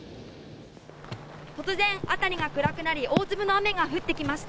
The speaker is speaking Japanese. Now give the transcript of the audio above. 突然、辺りが暗くなり、大粒の雨が降ってきました。